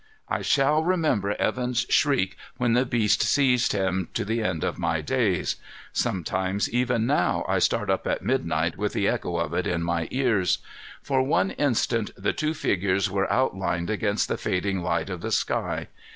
I shall remember Evan's shriek when the beast seized him, to the end of my days. Sometimes, even now, I start up at midnight with the echo of it in my ears. For one instant the two figures were outlined against the fading light of the sky.